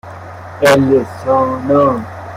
اِلسانا